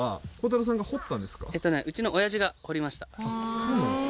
そうなんですね。